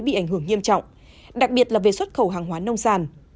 bị ảnh hưởng nghiêm trọng đặc biệt là về xuất khẩu hàng hóa nông sản